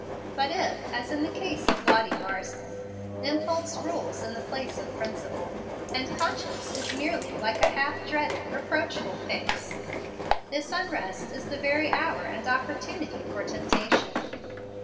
But if, as in the case of Lottie Marsden, impulse rules in the place of principle, and conscience is merely like a half dreaded, reproachful face, this unrest is the very hour and opportunity for temptation.